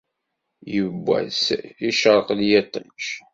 Yiwwas icṛeq-d yiṭij.